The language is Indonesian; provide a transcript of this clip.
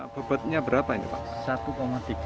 bobotnya berapa ini pak